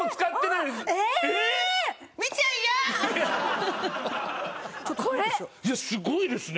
いやすごいですね。